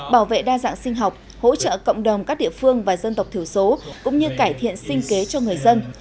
bảo vệ đa dạng sinh học hỗ trợ cộng đồng các địa phương và dân tộc thiểu số cũng như cải thiện sinh kế cho người dân